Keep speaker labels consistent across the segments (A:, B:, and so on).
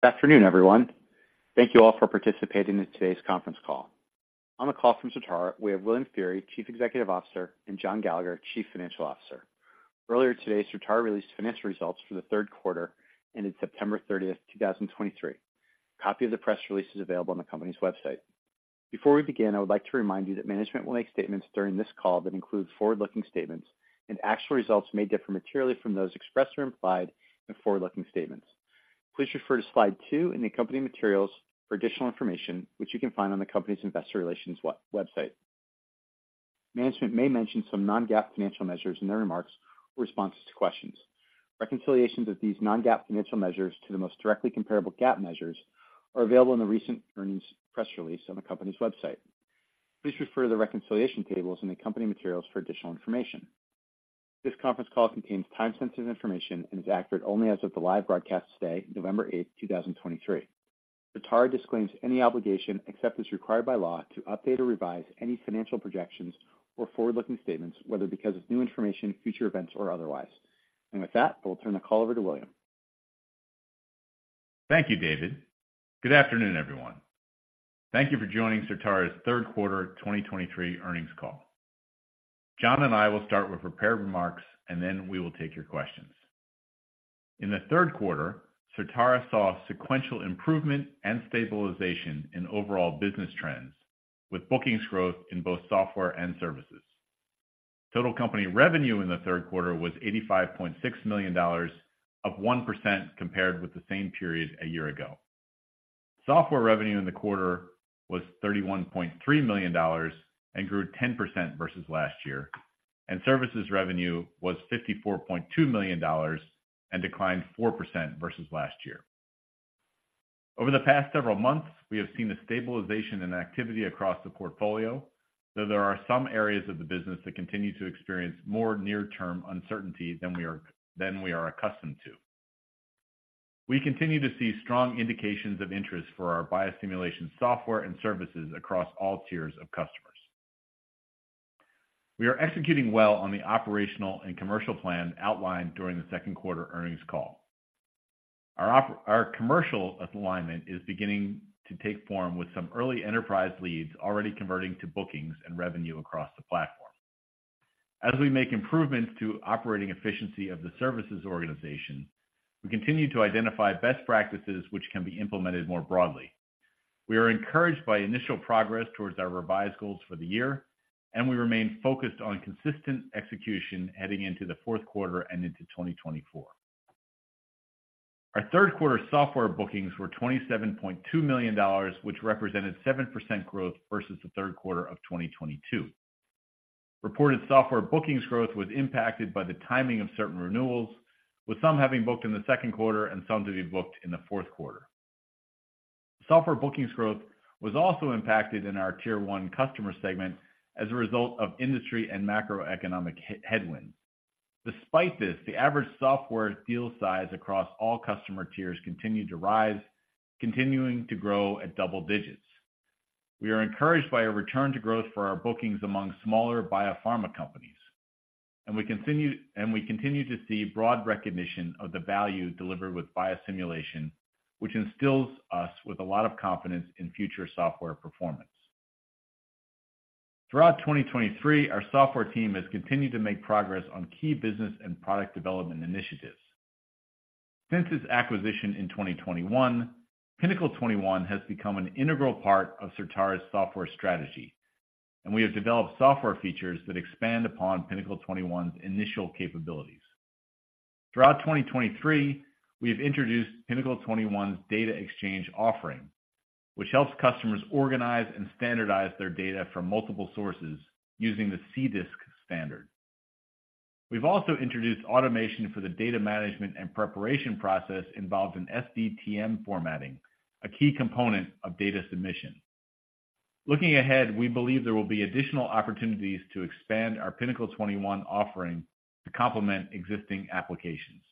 A: Good afternoon, everyone. Thank you all for participating in today's conference call. On the call from Certara, we have William Feehery, Chief Executive Officer, and John Gallagher, Chief Financial Officer. Earlier today, Certara released financial results for the third quarter, ending September 30th, 2023. A copy of the press release is available on the company's website. Before we begin, I would like to remind you that management will make statements during this call that include forward-looking statements, and actual results may differ materially from those expressed or implied in forward-looking statements. Please refer to slide two in the accompanying materials for additional information, which you can find on the company's investor relations website. Management may mention some non-GAAP financial measures in their remarks or responses to questions. Reconciliations of these non-GAAP financial measures to the most directly comparable GAAP measures are available in the recent earnings press release on the company's website. Please refer to the reconciliation tables in the accompanying materials for additional information. This conference call contains time-sensitive information and is accurate only as of the live broadcast today, November 8th, 2023. Certara disclaims any obligation, except as required by law, to update or revise any financial projections or forward-looking statements, whether because of new information, future events, or otherwise. With that, I will turn the call over to William.
B: Thank you, David. Good afternoon, everyone. Thank you for joining Certara's third quarter 2023 earnings call. John and I will start with prepared remarks, and then we will take your questions. In the third quarter, Certara saw sequential improvement and stabilization in overall business trends, with bookings growth in both software and services. Total company revenue in the third quarter was $85.6 million, up 1% compared with the same period a year ago. Software revenue in the quarter was $31.3 million and grew 10% versus last year, and services revenue was $54.2 million and declined 4% versus last year. Over the past several months, we have seen a stabilization in activity across the portfolio, though there are some areas of the business that continue to experience more near-term uncertainty than we are, than we are accustomed to. We continue to see strong indications of interest for our biosimulation software and services across all tiers of customers. We are executing well on the operational and commercial plan outlined during the second quarter earnings call. Our commercial alignment is beginning to take form, with some early enterprise leads already converting to bookings and revenue across the platform. As we make improvements to operating efficiency of the services organization, we continue to identify best practices which can be implemented more broadly. We are encouraged by initial progress towards our revised goals for the year, and we remain focused on consistent execution heading into the fourth quarter and into 2024. Our third quarter software bookings were $27.2 million, which represented 7% growth versus the third quarter of 2022. Reported software bookings growth was impacted by the timing of certain renewals, with some having booked in the second quarter and some to be booked in the fourth quarter. Software bookings growth was also impacted in our Tier One customer segment as a result of industry and macroeconomic headwinds. Despite this, the average software deal size across all customer tiers continued to rise, continuing to grow at double digits. We are encouraged by a return to growth for our bookings among smaller biopharma companies, and we continue to see broad recognition of the value delivered with biosimulation, which instills us with a lot of confidence in future software performance. Throughout 2023, our software team has continued to make progress on key business and product development initiatives. Since its acquisition in 2021, Pinnacle 21 has become an integral part of Certara's software strategy, and we have developed software features that expand upon Pinnacle 21's initial capabilities. Throughout 2023, we have introduced Pinnacle 21's data exchange offering, which helps customers organize and standardize their data from multiple sources using the CDISC standard. We've also introduced automation for the data management and preparation process involved in SDTM formatting, a key component of data submission. Looking ahead, we believe there will be additional opportunities to expand our Pinnacle 21 offering to complement existing applications.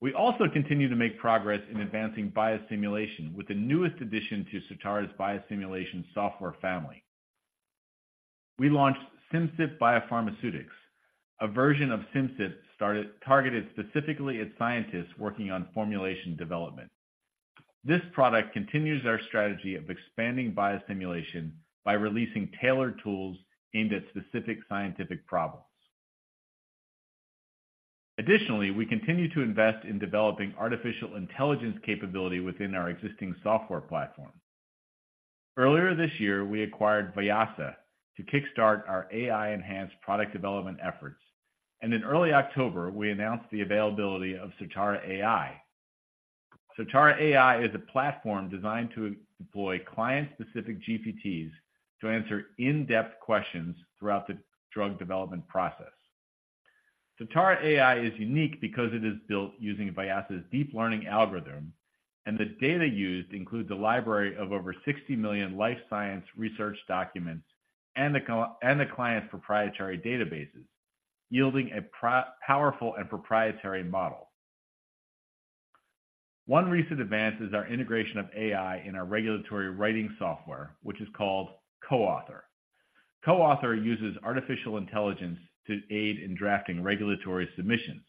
B: We also continue to make progress in advancing biosimulation with the newest addition to Certara's biosimulation software family. We launched Simcyp Biopharmaceutics, a version of Simcyp targeted specifically at scientists working on formulation development. This product continues our strategy of expanding biosimulation by releasing tailored tools aimed at specific scientific problems. Additionally, we continue to invest in developing artificial intelligence capability within our existing software platform. Earlier this year, we acquired Vyasa to kickstart our AI-enhanced product development efforts, and in early October, we announced the availability of Certara.AI. Certara.AI is a platform designed to deploy client-specific GPTs to answer in-depth questions throughout the drug development process. Certara.AI is unique because it is built using Vyasa's deep learning algorithm, and the data used includes a library of over 60 million life science research documents and the company's and the client's proprietary databases, yielding a powerful and proprietary model. One recent advance is our integration of AI in our regulatory writing software, which is called CoAuthor. CoAuthor uses artificial intelligence to aid in drafting regulatory submissions.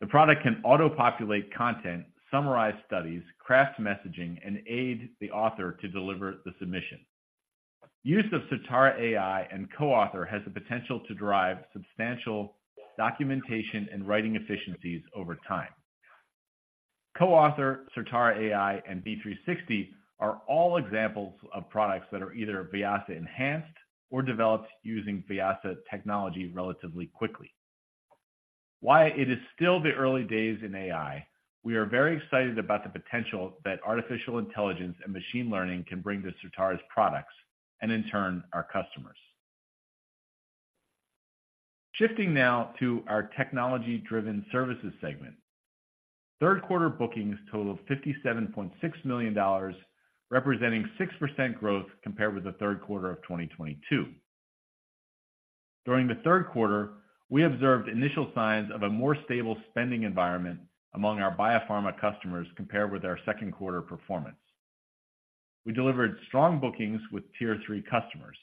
B: The product can auto-populate content, summarize studies, craft messaging, and aid the author to deliver the submission. Use of Certara.AI and CoAuthor has the potential to drive substantial documentation and writing efficiencies over time. CoAuthor, Certara.AI and D360 are all examples of products that are either Vyasa enhanced or developed using Vyasa technology relatively quickly. While it is still the early days in AI, we are very excited about the potential that artificial intelligence and machine learning can bring to Certara's products, and in turn, our customers. Shifting now to our technology-driven services segment. Third quarter bookings totaled $57.6 million, representing 6% growth compared with the third quarter of 2022. During the third quarter, we observed initial signs of a more stable spending environment among our biopharma customers compared with our second quarter performance. We delivered strong bookings with Tier Three customers.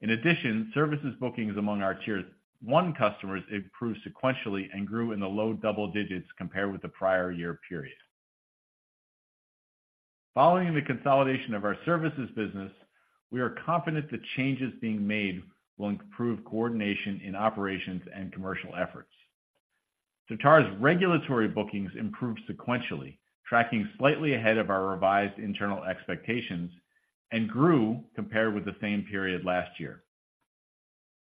B: In addition, services bookings among our Tier One customers improved sequentially and grew in the low double digits compared with the prior year period. Following the consolidation of our services business, we are confident the changes being made will improve coordination in operations and commercial efforts. Certara's regulatory bookings improved sequentially, tracking slightly ahead of our revised internal expectations and grew compared with the same period last year.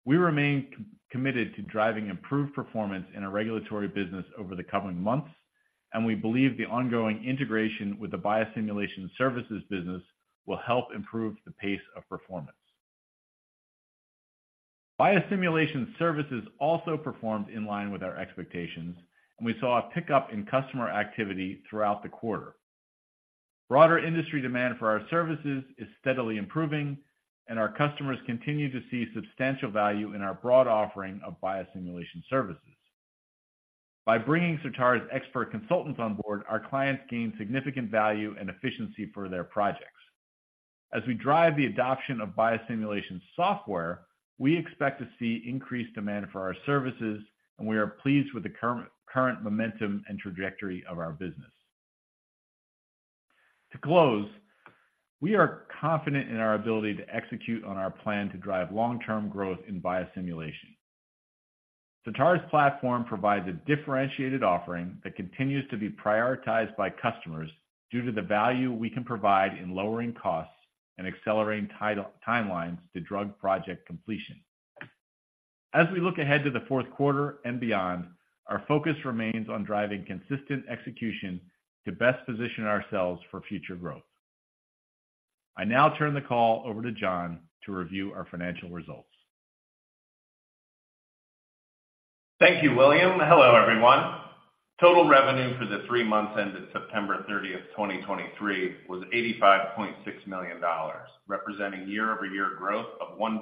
B: We remain committed to driving improved performance in our regulatory business over the coming months, and we believe the ongoing integration with the biosimulation services business will help improve the pace of performance. Biosimulation services also performed in line with our expectations, and we saw a pickup in customer activity throughout the quarter. Broader industry demand for our services is steadily improving, and our customers continue to see substantial value in our broad offering of biosimulation services. By bringing Certara's expert consultants on board, our clients gain significant value and efficiency for their projects. As we drive the adoption of biosimulation software, we expect to see increased demand for our services, and we are pleased with the current momentum and trajectory of our business. To close, we are confident in our ability to execute on our plan to drive long-term growth in biosimulation. Certara's platform provides a differentiated offering that continues to be prioritized by customers due to the value we can provide in lowering costs and accelerating timelines to drug project completion. As we look ahead to the fourth quarter and beyond, our focus remains on driving consistent execution to best position ourselves for future growth. I now turn the call over to John to review our financial results.
C: Thank you, William. Hello, everyone. Total revenue for the three months ended September 30, 2023, was $85.6 million, representing year-over-year growth of 1% on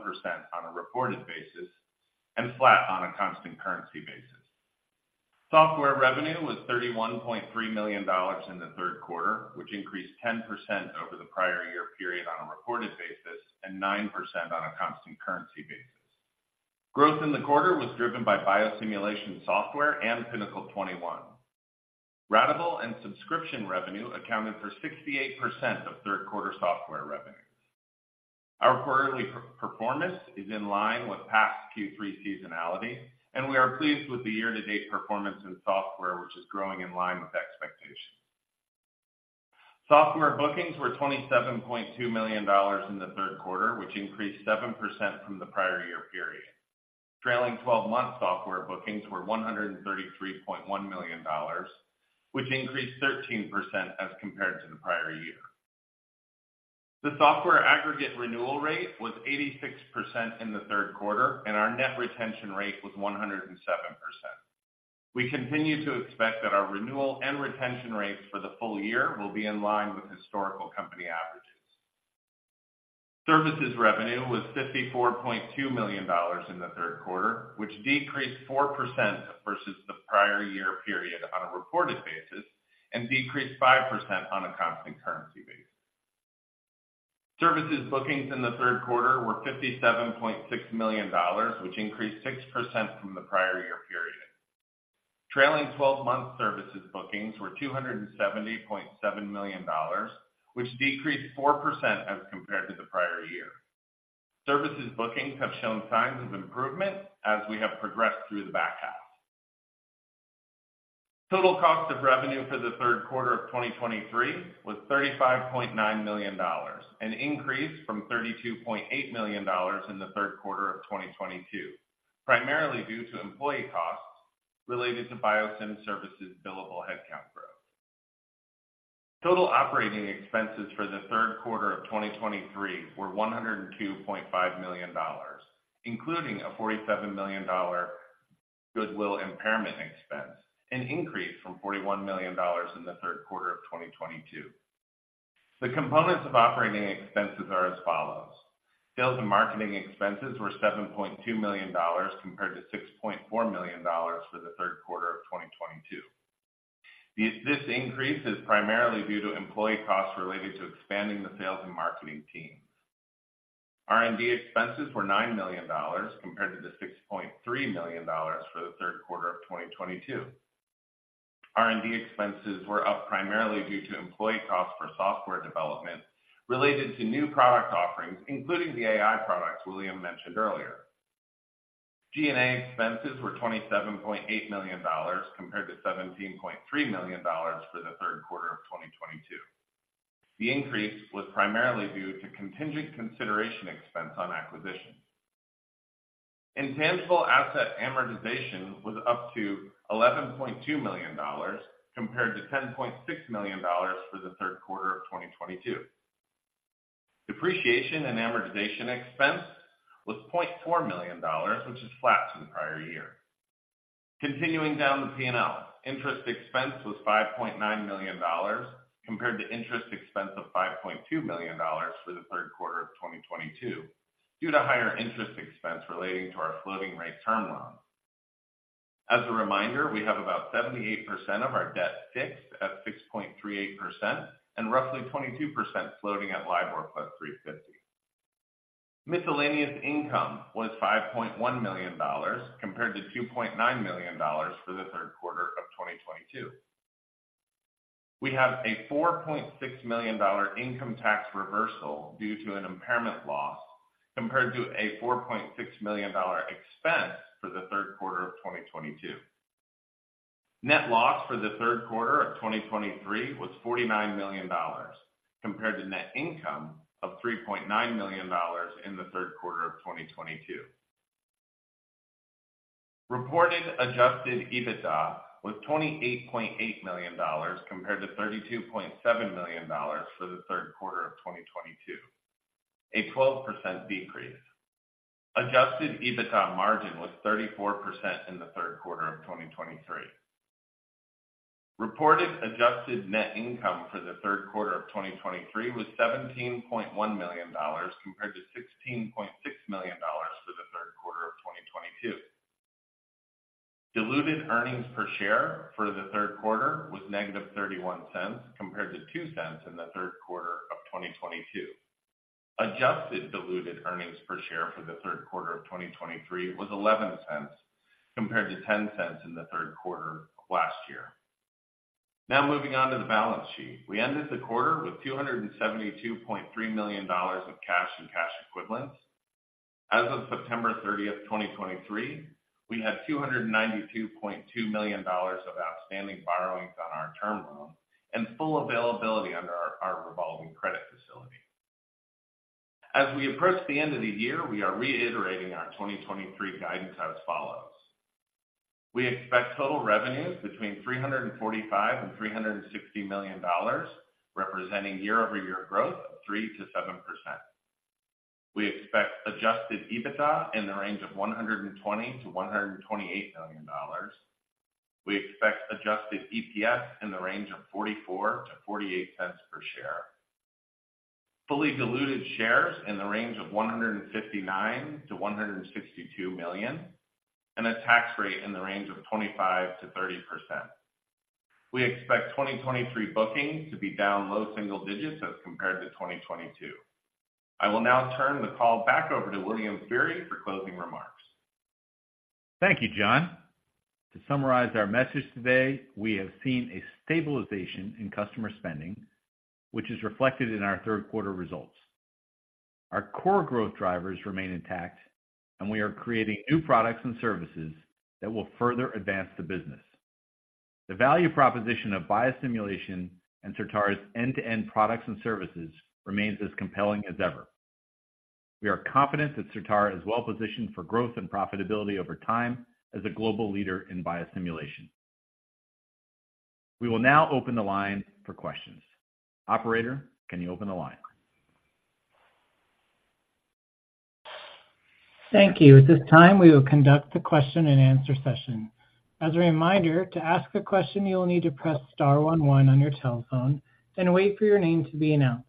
C: a reported basis and flat on a constant currency basis. Software revenue was $31.3 million in the third quarter, which increased 10% over the prior year period on a reported basis and 9% on a constant currency basis. Growth in the quarter was driven by biosimulation software and Pinnacle 21. Ratable and subscription revenue accounted for 68% of third quarter software revenue. Our quarterly performance is in line with past Q3 seasonality, and we are pleased with the year-to-date performance in software, which is growing in line with expectations. Software bookings were $27.2 million in the third quarter, which increased 7% from the prior year period. Trailing twelve-month software bookings were $133.1 million, which increased 13% as compared to the prior year. The software aggregate renewal rate was 86% in the third quarter, and our net retention rate was 107%. We continue to expect that our renewal and retention rates for the full year will be in line with historical company averages. Services revenue was $54.2 million in the third quarter, which decreased 4% versus the prior year period on a reported basis and decreased 5% on a constant currency basis. Services bookings in the third quarter were $57.6 million, which increased 6% from the prior year period. Trailing twelve-month services bookings were $270.7 million, which decreased 4% as compared to the prior year. Services bookings have shown signs of improvement as we have progressed through the back half. Total cost of revenue for the third quarter of 2023 was $35.9 million, an increase from $32.8 million in the third quarter of 2022, primarily due to employee costs related to Biosim services billable headcount growth. Total operating expenses for the third quarter of 2023 were $102.5 million, including a $47 million goodwill impairment expense, an increase from $41 million in the third quarter of 2022. The components of operating expenses are as follows: Sales and marketing expenses were $7.2 million, compared to $6.4 million for the third quarter of 2022. This increase is primarily due to employee costs related to expanding the sales and marketing teams. R&D expenses were $9 million, compared to the $6.3 million for the third quarter of 2022. R&D expenses were up primarily due to employee costs for software development related to new product offerings, including the AI products William mentioned earlier. G&A expenses were $27.8 million, compared to $17.3 million for the third quarter of 2022. The increase was primarily due to contingent consideration expense on acquisition. Intangible asset amortization was up to $11.2 million, compared to $10.6 million for the third quarter of 2022. Depreciation and amortization expense was $0.4 million, which is flat to the prior year. Continuing down the P&L, interest expense was $5.9 million, compared to interest expense of $5.2 million for the third quarter of 2022, due to higher interest expense relating to our floating rate term loan. As a reminder, we have about 78% of our debt fixed at 6.38% and roughly 22% floating at LIBOR plus 350. Miscellaneous income was $5.1 million, compared to $2.9 million for the third quarter of 2022. We have a $4.6 million income tax reversal due to an impairment loss, compared to a $4.6 million expense for the third quarter of 2022. Net loss for the third quarter of 2023 was $49 million, compared to net income of $3.9 million in the third quarter of 2022. Reported Adjusted EBITDA was $28.8 million, compared to $32.7 million for the third quarter of 2022, a 12% decrease. Adjusted EBITDA margin was 34% in the third quarter of 2023. Reported adjusted net income for the third quarter of 2023 was $17.1 million, compared to $16.6 million for the third quarter of 2022. Diluted earnings per share for the third quarter was -$0.31, compared to $0.02 in the third quarter of 2022. Adjusted diluted earnings per share for the third quarter of 2023 was $0.11, compared to $0.10 in the third quarter of last year. Now moving on to the balance sheet. We ended the quarter with $272.3 million of cash and cash equivalents. As of September 30, 2023, we had $292.2 million of outstanding borrowings on our term loan and full availability under our revolving credit facility. As we approach the end of the year, we are reiterating our 2023 guidance as follows: We expect total revenues between $345 million and $360 million, representing year-over-year growth of 3%-7%. We expect Adjusted EBITDA in the range of $120 million-$128 million. We expect adjusted EPS in the range of 44-48 cents per share. Fully diluted shares in the range of 159-162 million, and a tax rate in the range of 25%-30%. We expect 2023 bookings to be down low single digits as compared to 2022. I will now turn the call back over to William Feehery for closing remarks.
B: Thank you, John. To summarize our message today, we have seen a stabilization in customer spending, which is reflected in our third quarter results. Our core growth drivers remain intact, and we are creating new products and services that will further advance the business. The value proposition of biosimulation and Certara's end-to-end products and services remains as compelling as ever. We are confident that Certara is well positioned for growth and profitability over time as a global leader in biosimulation. We will now open the line for questions. Operator, can you open the line?
A: Thank you. At this time, we will conduct the question-and-answer session. As a reminder, to ask a question, you will need to press star one one on your telephone and wait for your name to be announced.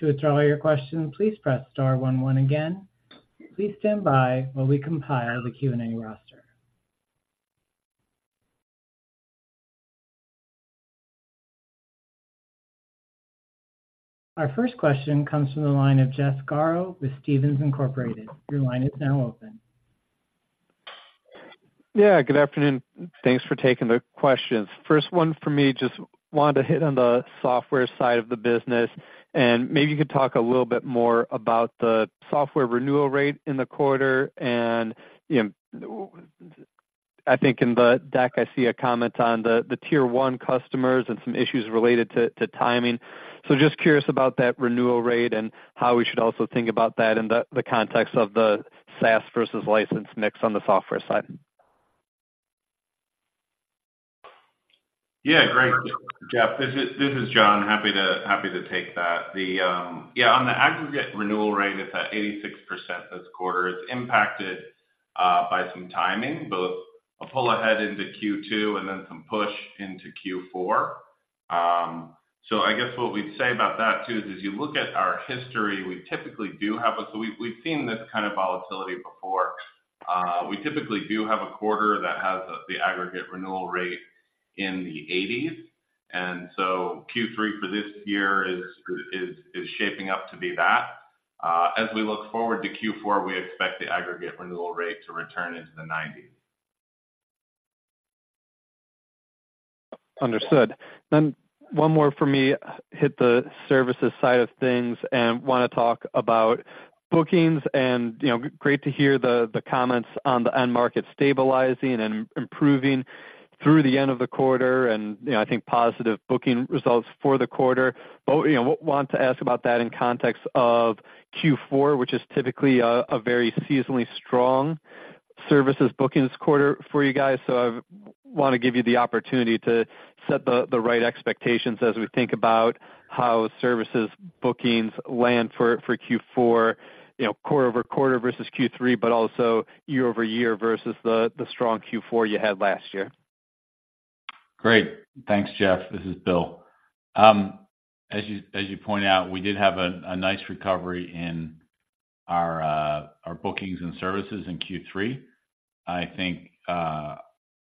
A: To withdraw your question, please press star one one again. Please stand by while we compile the Q&A roster. Our first question comes from the line of Jeff Garro with Stephens Inc. Your line is now open.
D: Yeah, good afternoon. Thanks for taking the questions. First one for me, just wanted to hit on the software side of the business, and maybe you could talk a little bit more about the software renewal rate in the quarter. And, you know, I think in the deck, I see a comment on the, the tier one customers and some issues related to, to timing. So just curious about that renewal rate and how we should also think about that in the, the context of the SaaS versus license mix on the software side.
C: Yeah, great. Jeff, this is John. Happy to take that. Yeah, on the aggregate renewal rate, it's at 86% this quarter. It's impacted by some timing, both a pull ahead into Q2 and then some push into Q4. So I guess what we'd say about that, too, is as you look at our history, we typically do have a—so we've seen this kind of volatility before. We typically do have a quarter that has the aggregate renewal rate in the 80s, and so Q3 for this year is shaping up to be that. As we look forward to Q4, we expect the aggregate renewal rate to return into the 90s.
D: Understood. One more for me, hit the services side of things and want to talk about bookings. You know, great to hear the, the comments on the end market stabilizing and improving through the end of the quarter and, you know, I think positive booking results for the quarter. You know, want to ask about that in context of Q4, which is typically a, a very seasonally strong services bookings quarter for you guys. I want to give you the opportunity to set the, the right expectations as we think about how services bookings land for, for Q4, you know, quarter-over-quarter versus Q3, but also year-over-year versus the, the strong Q4 you had last year.
B: Great. Thanks, Jeff. This is Bill. As you pointed out, we did have a nice recovery in our bookings and services in Q3. I think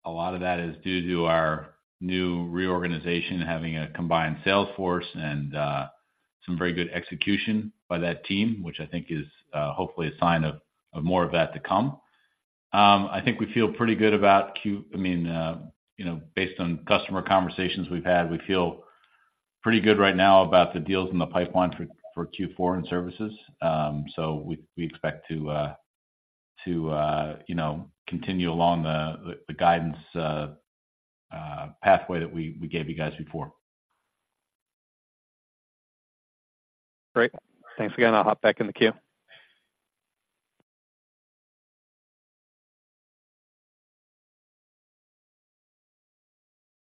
B: a lot of that is due to our new reorganization, having a combined sales force and some very good execution by that team, which I think is hopefully a sign of more of that to come. I think we feel pretty good about Q4. I mean, you know, based on customer conversations we've had, we feel pretty good right now about the deals in the pipeline for Q4 and services. So we expect to, you know, continue along the guidance pathway that we gave you guys before.
D: Great. Thanks again. I'll hop back in the queue.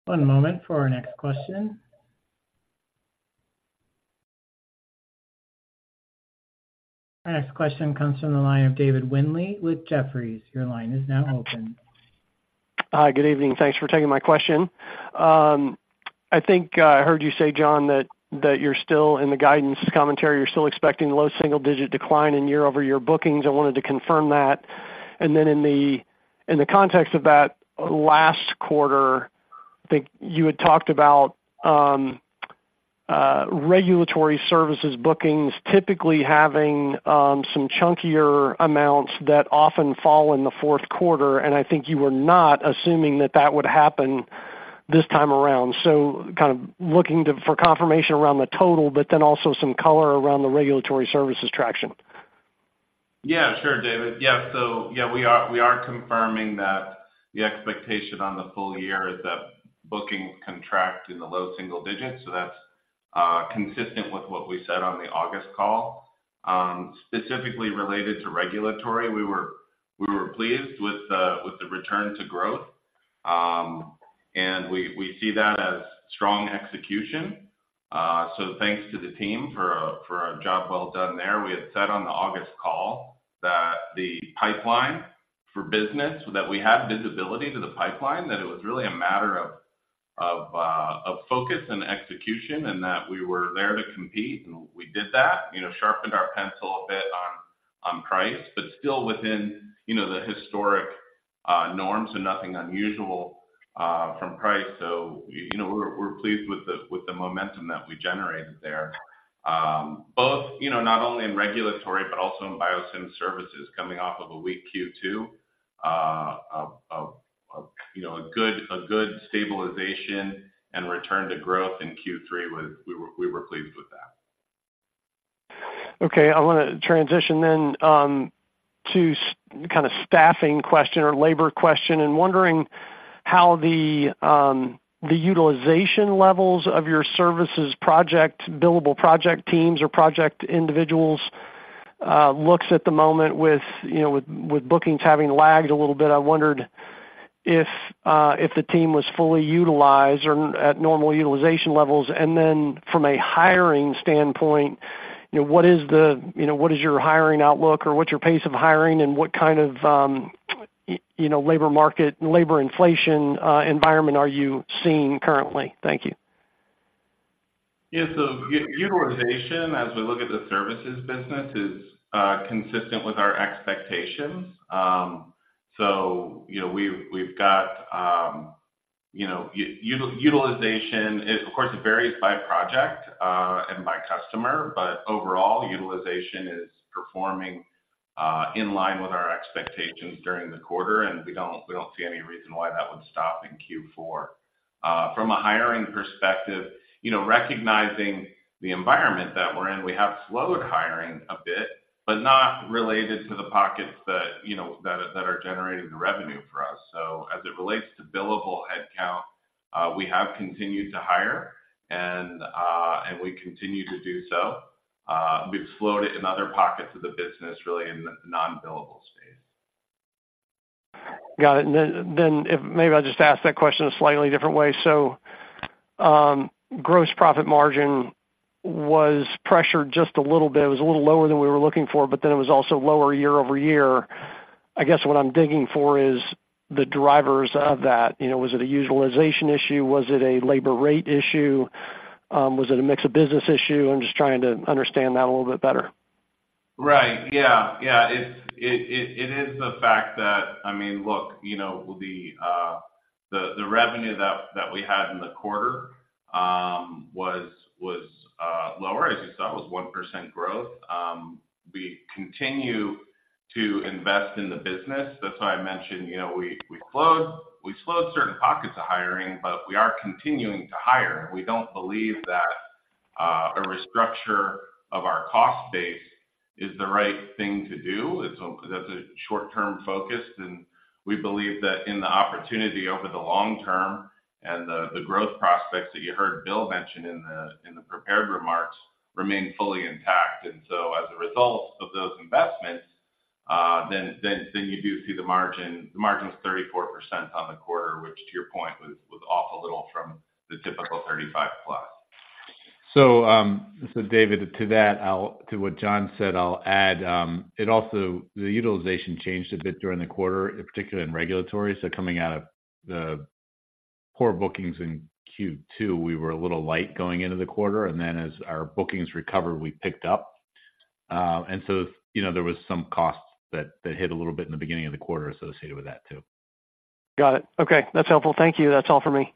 A: One moment for our next question. Our next question comes from the line of David Windley with Jefferies. Your line is now open.
E: Hi, good evening. Thanks for taking my question. I think, I heard you say, John, that, that you're still in the guidance commentary, you're still expecting low single-digit decline in year-over-year bookings. I wanted to confirm that. And then in the, in the context of that last quarter, I think you had talked about, regulatory services bookings typically having, some chunkier amounts that often fall in the fourth quarter, and I think you were not assuming that that would happen this time around. So kind of looking for confirmation around the total, but then also some color around the regulatory services traction.
C: Yeah, sure, David. Yeah. So, yeah, we are confirming that the expectation on the full year is that bookings contract in the low single digits, so that's consistent with what we said on the August call. Specifically related to regulatory, we were pleased with the return to growth, and we see that as strong execution. So thanks to the team for a job well done there. We had said on the August call that the pipeline for business, that we have visibility to the pipeline, that it was really a matter of focus and execution, and that we were there to compete, and we did that. You know, sharpened our pencil a bit on price, but still within, you know, the historic norms and nothing unusual from price. So, you know, we're pleased with the momentum that we generated there. Both, you know, not only in regulatory, but also in biosim services coming off of a weak Q2, of a good stabilization and return to growth in Q3 was... We were pleased with that.
E: Okay. I want to transition then, to a kind of staffing question or labor question, and wondering how the, the utilization levels of your services project, billable project teams or project individuals, looks at the moment with, you know, with, with bookings having lagged a little bit. I wondered if, if the team was fully utilized or at normal utilization levels. And then from a hiring standpoint, you know, what is the, you know, what is your hiring outlook, or what's your pace of hiring, and what kind of, you know, labor market, labor inflation, environment are you seeing currently? Thank you.
C: Yeah. So utilization, as we look at the services business, is consistent with our expectations. So you know, we've got utilization is, of course, it varies by project and by customer, but overall, utilization is performing in line with our expectations during the quarter, and we don't see any reason why that would stop in Q4. From a hiring perspective, you know, recognizing the environment that we're in, we have slowed hiring a bit, but not related to the pockets that you know that are generating the revenue for us. So as it relates to billable headcount, we have continued to hire and we continue to do so. We've slowed it in other pockets of the business, really in the non-billable space.
E: Got it. And then, if maybe I'll just ask that question a slightly different way. So, gross profit margin was pressured just a little bit. It was a little lower than we were looking for, but then it was also lower year-over-year.... I guess what I'm digging for is the drivers of that. You know, was it a utilization issue? Was it a labor rate issue? Was it a mix of business issue? I'm just trying to understand that a little bit better.
C: Right. Yeah. Yeah, it's it is the fact that, I mean, look, you know, the revenue that we had in the quarter was lower, as you saw, it was 1% growth. We continue to invest in the business. That's why I mentioned, you know, we slowed certain pockets of hiring, but we are continuing to hire. We don't believe that a restructure of our cost base is the right thing to do. It's that's a short-term focus, and we believe that in the opportunity over the long term and the growth prospects that you heard Bill mention in the prepared remarks remain fully intact. And so as a result of those investments, then you do see the margin. The margin is 34% on the quarter, which, to your point, was off a little from the typical 35+.
B: So, David, to that, to what John said, I'll add, it also the utilization changed a bit during the quarter, particularly in regulatory. So coming out of the poor bookings in Q2, we were a little light going into the quarter, and then as our bookings recovered, we picked up. And so, you know, there was some costs that, that hit a little bit in the beginning of the quarter associated with that, too.
E: Got it. Okay, that's helpful. Thank you. That's all for me.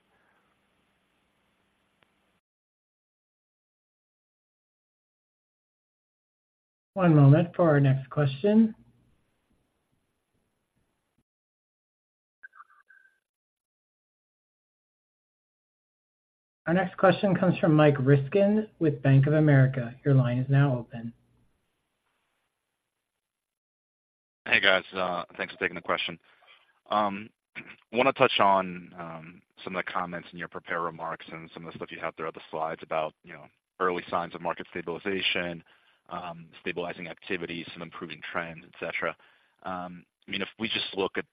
A: One moment for our next question. Our next question comes from Mike Ryskin with Bank of America. Your line is now open.
F: Hey, guys, thanks for taking the question. I want to touch on some of the comments in your prepared remarks and some of the stuff you had there on the slides about, you know, early signs of market stabilization, stabilizing activity, some improving trends, et cetera. I mean, if we just look at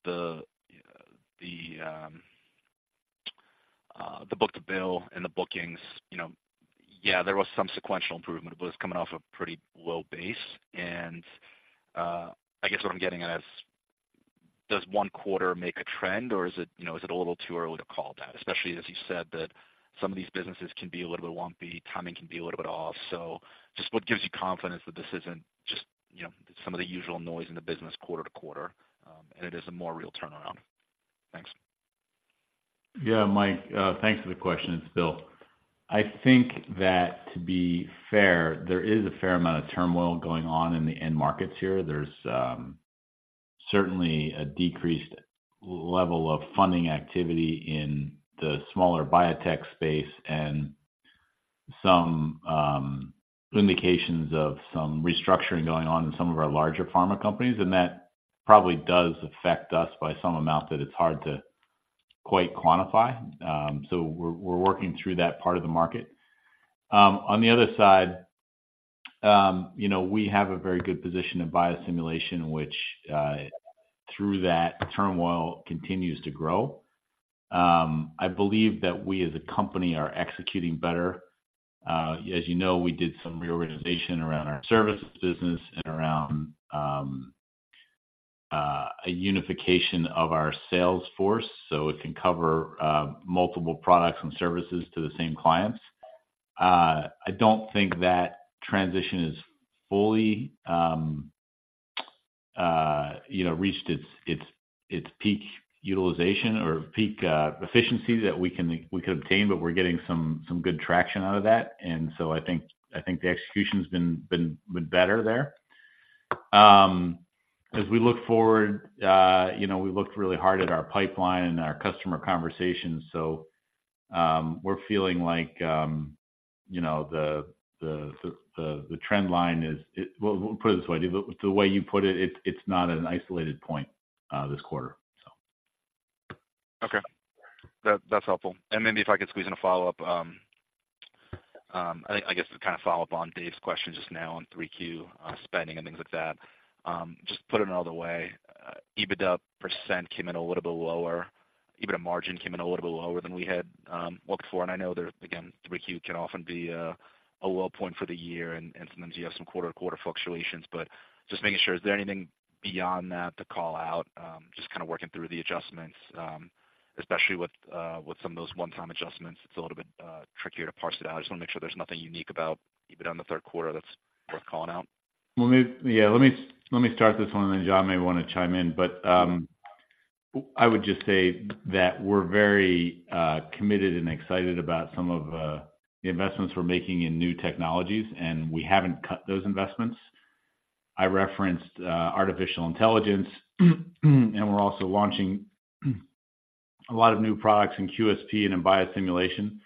F: the book to bill and the bookings, you know, yeah, there was some sequential improvement, but it was coming off a pretty low base. I guess what I'm getting at is, does one quarter make a trend or is it, you know, is it a little too early to call that? Especially as you said, that some of these businesses can be a little bit lumpy, timing can be a little bit off. Just what gives you confidence that this isn't just, you know, some of the usual noise in the business quarter to quarter, and it is a more real turnaround? Thanks.
B: Yeah, Mike, thanks for the question. It's Bill. I think that to be fair, there is a fair amount of turmoil going on in the end markets here. There's certainly a decreased level of funding activity in the smaller biotech space and some indications of some restructuring going on in some of our larger pharma companies, and that probably does affect us by some amount that it's hard to quite quantify. So we're working through that part of the market. On the other side, you know, we have a very good position in biosimulation, which through that turmoil continues to grow. I believe that we as a company are executing better. As you know, we did some reorganization around our services business and around a unification of our sales force, so it can cover multiple products and services to the same clients. I don't think that transition is fully, you know, reached its peak utilization or peak efficiency that we can we could obtain, but we're getting some good traction out of that. And so I think the execution's been better there. As we look forward, you know, we looked really hard at our pipeline and our customer conversations, so we're feeling like, you know, the trend line is, it well, we'll put it this way, the way you put it, it's not an isolated point, this quarter, so.
F: Okay. That, that's helpful. And maybe if I could squeeze in a follow-up, I think I guess to kind of follow up on Dave's question just now on three Q, spending and things like that. Just put it another way, EBITDA percent came in a little bit lower. EBITDA margin came in a little bit lower than we had, looked for. And I know that, again, three Q can often be, a low point for the year, and sometimes you have some quarter-to-quarter fluctuations. But just making sure, is there anything beyond that to call out? Just kind of working through the adjustments, especially with, with some of those one-time adjustments, it's a little bit, trickier to parse it out. I just want to make sure there's nothing unique about EBITDA in the third quarter that's worth calling out.
B: Well, let me start this one, and then John may want to chime in. But I would just say that we're very committed and excited about some of the investments we're making in new technologies, and we haven't cut those investments. I referenced artificial intelligence, and we're also launching a lot of new products in QSP and in biosimulation.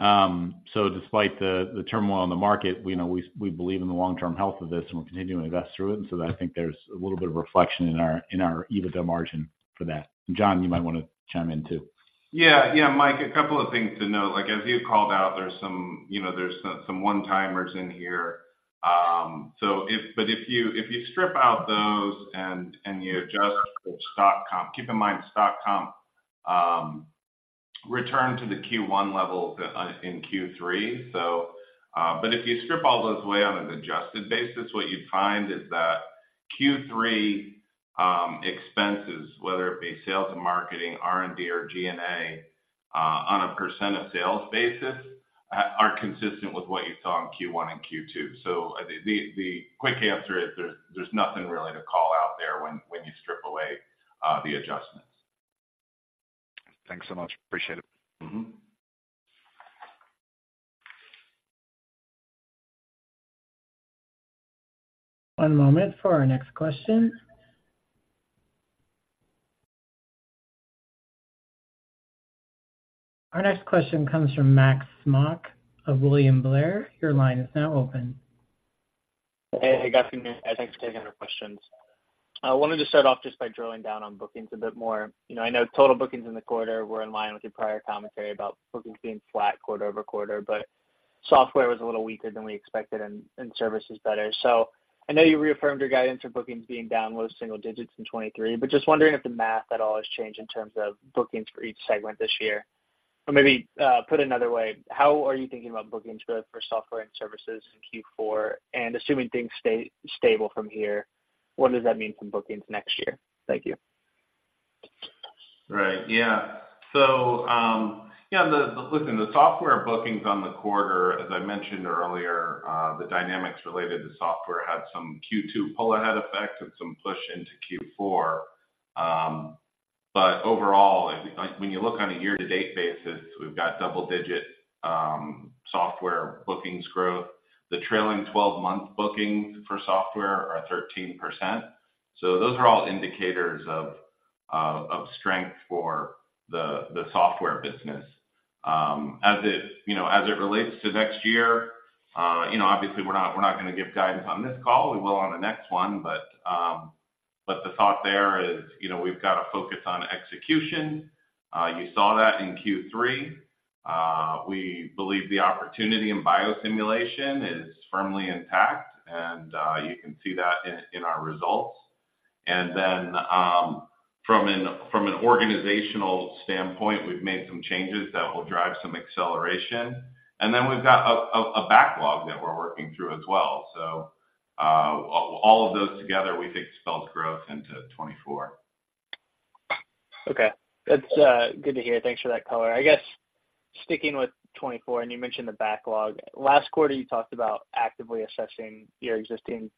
B: So despite the turmoil on the market, we know we believe in the long-term health of this, and we're continuing to invest through it. And so I think there's a little bit of reflection in our EBITDA margin for that. John, you might want to chime in, too.
C: Yeah. Yeah, Mike, a couple of things to note. Like, as you called out, there's some, you know, there's some one-timers in here. But if you strip out those and you adjust the stock comp. Keep in mind, stock comp return to the Q1 levels in Q3. So, but if you strip all those away on an adjusted basis, what you'd find is that Q3 expenses, whether it be sales and marketing, R&D, or G&A, on a percent of sales basis, are consistent with what you saw in Q1 and Q2. So the quick answer is there's nothing really to call out there when you strip away the adjustments.
F: Thanks so much. Appreciate it.
C: Mm-hmm.
A: One moment for our next question. Our next question comes from Max Smock of William Blair. Your line is now open.
G: Hey, good afternoon, guys. Thanks for taking our questions. I wanted to start off just by drilling down on bookings a bit more. You know, I know total bookings in the quarter were in line with your prior commentary about bookings being flat quarter over quarter, but software was a little weaker than we expected and, and services better. So I know you reaffirmed your guidance for bookings being down low single digits in 2023, but just wondering if the math at all has changed in terms of bookings for each segment this year? Or maybe, put another way, how are you thinking about bookings growth for software and services in Q4? And assuming things stay stable from here, what does that mean for bookings next year? Thank you.
C: Right. Yeah. So, yeah, listen, the software bookings on the quarter, as I mentioned earlier, the dynamics related to software had some Q2 pull-ahead effect and some push into Q4. But overall, like, when you look on a year-to-date basis, we've got double-digit software bookings growth. The trailing twelve-month bookings for software are 13%. So those are all indicators of strength for the software business. As it, you know, as it relates to next year, you know, obviously, we're not, we're not going to give guidance on this call. We will on the next one, but the thought there is, you know, we've got to focus on execution. You saw that in Q3. We believe the opportunity in Biosimulation is firmly intact, and you can see that in our results. And then, from an organizational standpoint, we've made some changes that will drive some acceleration. And then we've got a backlog that we're working through as well. So, all of those together, we think, spells growth into 2024.
G: Okay. That's good to hear. Thanks for that color. I guess sticking with 2024, and you mentioned the backlog. Last quarter, you talked about actively assessing your existing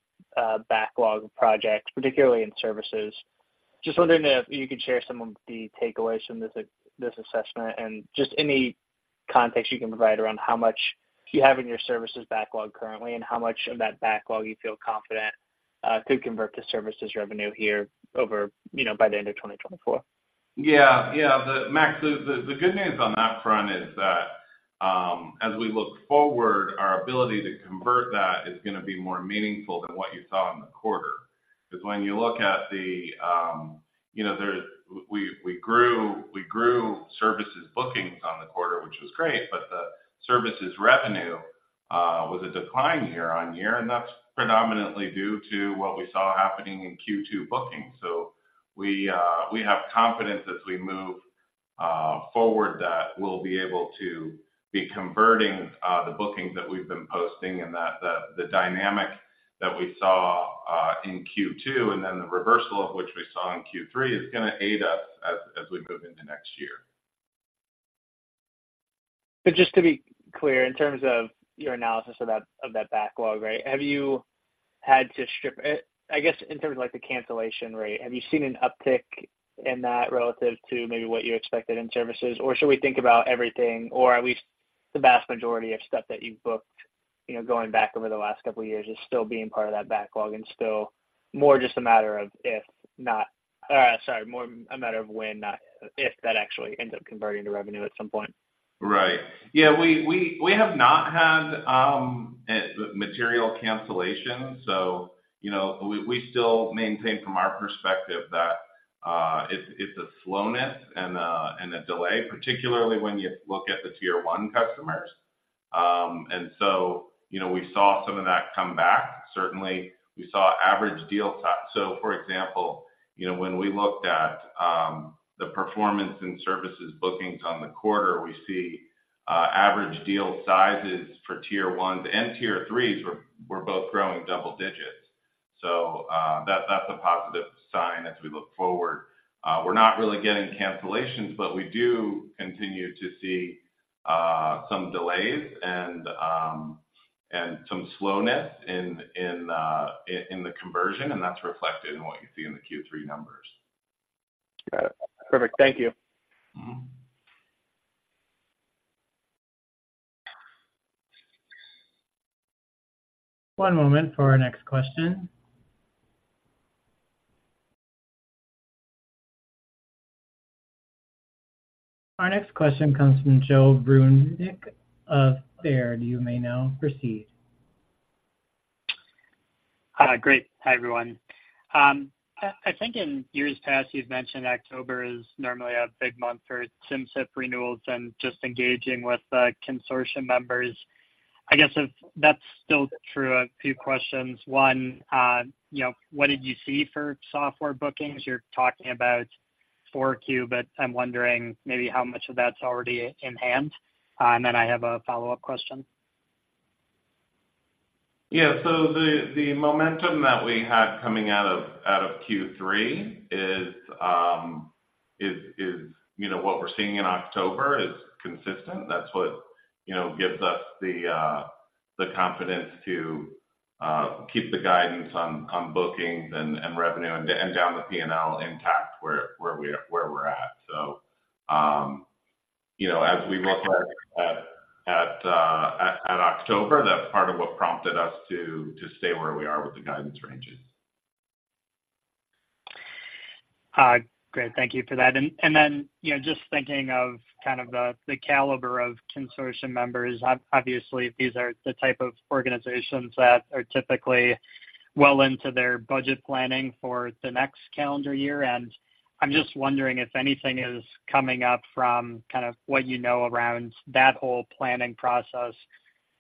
G: backlog of projects, particularly in services. Just wondering if you could share some of the takeaways from this assessment, and just any context you can provide around how much you have in your services backlog currently, and how much of that backlog you feel confident could convert to services revenue here over, you know, by the end of 2024?
C: Yeah. Yeah. Max, the good news on that front is that, as we look forward, our ability to convert that is going to be more meaningful than what you saw in the quarter. Because when you look at the, you know, there's, we grew services bookings on the quarter, which was great, but the services revenue was a decline year-over-year, and that's predominantly due to what we saw happening in Q2 bookings. So we have confidence as we move forward, that we'll be able to be converting the bookings that we've been posting and that the dynamic that we saw in Q2 and then the reversal of which we saw in Q3, is going to aid us as we move into next year.
G: But just to be clear, in terms of your analysis of that, of that backlog rate, have you had to strip it, I guess, in terms of, like, the cancellation rate, have you seen an uptick in that relative to maybe what you expected in services? Or should we think about everything, or at least the vast majority of stuff that you've booked, you know, going back over the last couple of years, as still being part of that backlog and still more just a matter of if not... sorry, more a matter of when, not if, that actually ends up converting to revenue at some point?
C: Right. Yeah, we have not had material cancellations, so, you know, we still maintain from our perspective that it's a slowness and a delay, particularly when you look at the Tier 1 customers. And so, you know, we saw some of that come back. Certainly, we saw average deal size. So, for example, you know, when we looked at the performance in services bookings on the quarter, we see average deal sizes for Tier 1s and Tier 3s were both growing double digits. So, that's a positive sign as we look forward. We're not really getting cancellations, but we do continue to see some delays and some slowness in the conversion, and that's reflected in what you see in the Q3 numbers.
G: Got it. Perfect. Thank you.
C: Mm-hmm.
A: One moment for our next question. Our next question comes from Joe Vruwink of Baird. You may now proceed.
H: Great. Hi, everyone. I think in years past, you've mentioned October is normally a big month for Simcyp renewals and just engaging with consortium members... I guess if that's still true, a few questions. One, you know, what did you see for software bookings? You're talking about Q4, but I'm wondering maybe how much of that's already in hand. And then I have a follow-up question.
C: Yeah. So the momentum that we had coming out of Q3 is, you know, what we're seeing in October is consistent. That's what, you know, gives us the confidence to keep the guidance on bookings and revenue, and down the PNL intact where we're at. So, you know, as we look at October, that's part of what prompted us to stay where we are with the guidance ranges.
H: Great. Thank you for that. And then, you know, just thinking of kind of the caliber of consortium members. Obviously, these are the type of organizations that are typically well into their budget planning for the next calendar year, and I'm just wondering if anything is coming up from kind of what you know around that whole planning process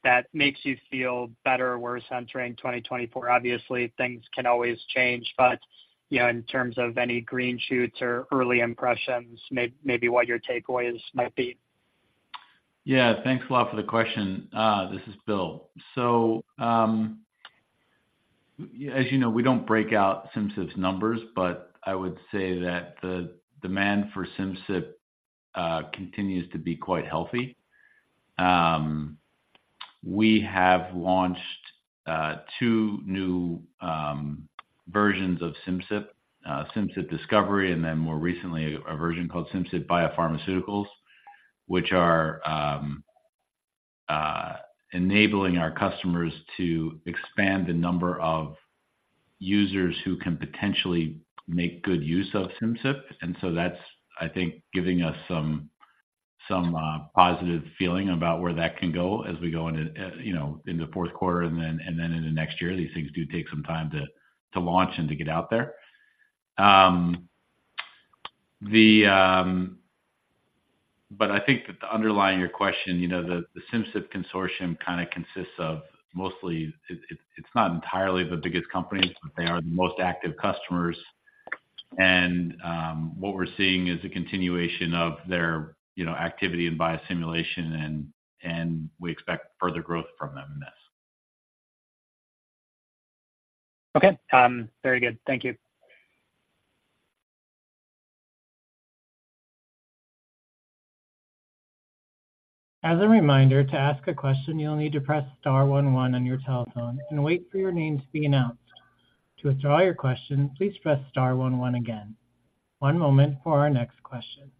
H: that makes you feel better or worse entering 2024? Obviously, things can always change, but, you know, in terms of any green shoots or early impressions, maybe what your takeaways might be.
B: Yeah. Thanks a lot for the question. This is Bill. So, as you know, we don't break out Simcyp's numbers, but I would say that the demand for Simcyp continues to be quite healthy. We have launched two new versions of Simcyp, Simcyp Discovery, and then more recently, a version called Simcyp Biopharmaceutics, which are enabling our customers to expand the number of users who can potentially make good use of Simcyp. And so that's, I think, giving us some positive feeling about where that can go as we go into, you know, in the fourth quarter and then in the next year. These things do take some time to launch and to get out there. But I think that the underlying your question, you know, the Simcyp consortium kinda consists of mostly. It, it's not entirely the biggest companies, but they are the most active customers. And, what we're seeing is a continuation of their, you know, activity and biosimulation, and we expect further growth from them in this.
H: Okay. Very good. Thank you.
A: As a reminder, to ask a question, you'll need to press star one one on your telephone and wait for your name to be announced. To withdraw your question, please press star one one again. One moment for our next question.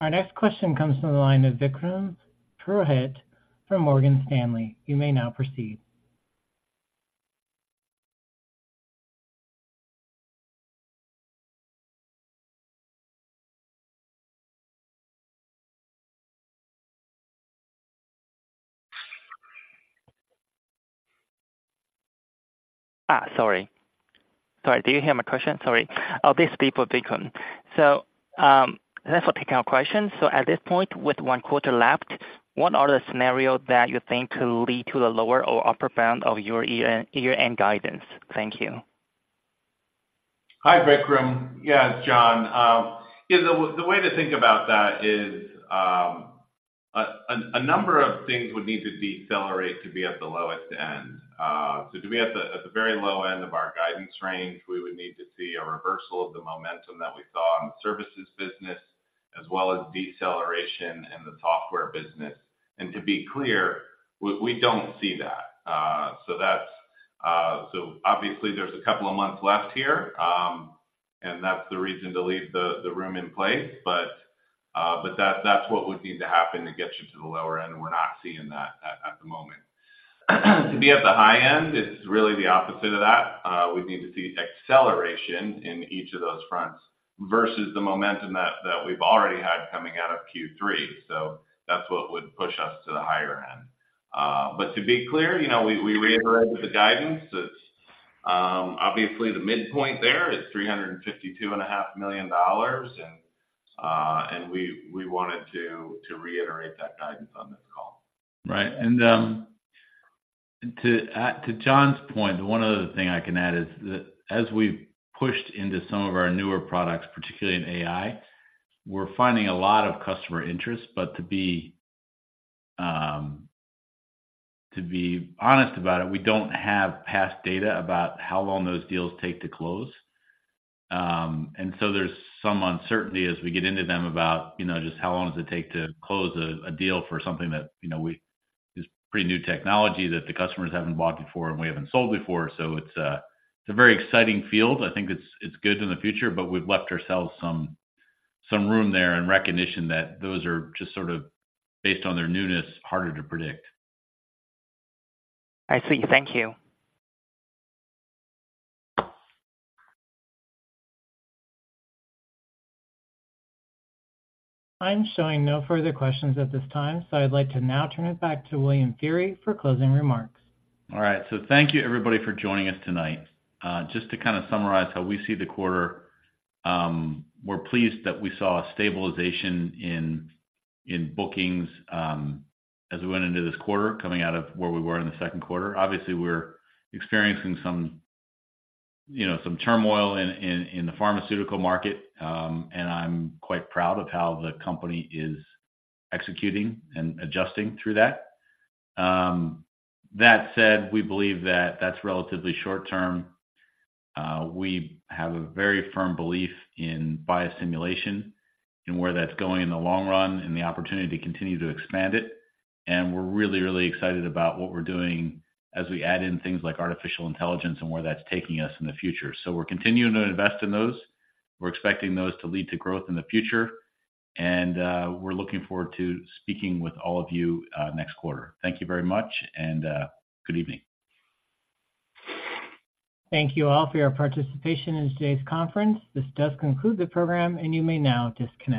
A: Our next question comes from the line of Vikram Purohit from Morgan Stanley. You may now proceed.
I: This is Vikram. So, thanks for taking our question. So at this point, with one quarter left, what are the scenarios that you think could lead to the lower or upper bound of your year-end guidance? Thank you.
C: Hi, Vikram. Yeah, it's John. Yeah, the way to think about that is, a number of things would need to decelerate to be at the lowest end. So to be at the very low end of our guidance range, we would need to see a reversal of the momentum that we saw in the services business, as well as deceleration in the software business. And to be clear, we don't see that. So that's... So obviously, there's a couple of months left here, and that's the reason to leave the room in place. But, but that's what would need to happen to get you to the lower end, and we're not seeing that at the moment. To be at the high end, it's really the opposite of that. We'd need to see acceleration in each of those fronts versus the momentum that we've already had coming out of Q3. So that's what would push us to the higher end. But to be clear, you know, we reiterated the guidance. It's obviously the midpoint there is $352.5 million, and we wanted to reiterate that guidance on this call.
B: Right. And to add to John's point, one other thing I can add is that as we've pushed into some of our newer products, particularly in AI, we're finding a lot of customer interest. But to be to be honest about it, we don't have past data about how long those deals take to close. And so there's some uncertainty as we get into them about, you know, just how long does it take to close a, a deal for something that, you know, it's pretty new technology that the customers haven't bought before and we haven't sold before. So it's a, it's a very exciting field. I think it's, it's good in the future, but we've left ourselves some, some room there and recognition that those are just sort of, based on their newness, harder to predict.
I: I see. Thank you.
A: I'm showing no further questions at this time, so I'd like to now turn it back to William Feehery for closing remarks.
B: All right. So thank you, everybody, for joining us tonight. Just to kind of summarize how we see the quarter, we're pleased that we saw a stabilization in bookings as we went into this quarter, coming out of where we were in the second quarter. Obviously, we're experiencing some, you know, some turmoil in the pharmaceutical market, and I'm quite proud of how the company is executing and adjusting through that. That said, we believe that that's relatively short term. We have a very firm belief in biosimulation and where that's going in the long run and the opportunity to continue to expand it. And we're really, really excited about what we're doing as we add in things like artificial intelligence and where that's taking us in the future. So we're continuing to invest in those. We're expecting those to lead to growth in the future, and we're looking forward to speaking with all of you next quarter. Thank you very much, and good evening.
A: Thank you all for your participation in today's conference. This does conclude the program, and you may now disconnect.